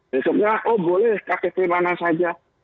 besoknya oh boleh ktp mana saja